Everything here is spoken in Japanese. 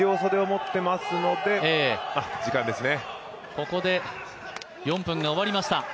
ここで４分が終わりました。